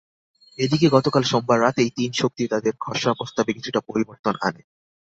এদিকে, গতকাল সোমবার রাতেই তিন শক্তি তাদের খসড়া প্রস্তাবে কিছুটা পরিবর্তন আনে।